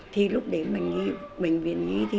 thì lúc đến bệnh viện nghi thì